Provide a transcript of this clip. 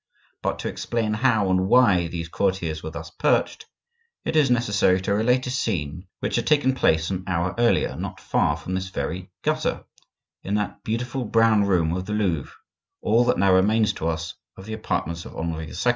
But to explain how and why these courtiers were thus perched, it is necessary to relate a scene which had taken place an hour earlier not far from this very gutter, in that beautiful brown room of the Louvre, all that now remains to us of the apartments of Henri II.